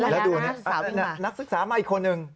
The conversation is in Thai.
แล้วดูนักศึกษามาอีกคนนึง